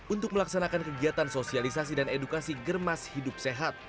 untuk melaksanakan kegiatan sosialisasi dan edukasi germas hidup sehat